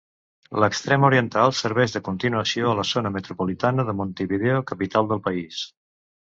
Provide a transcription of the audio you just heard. L'extrem oriental serveix de continuació a la zona metropolitana de Montevideo, capital del país.